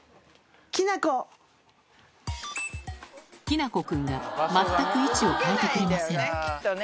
きなこ君が全く位置を変えてくれません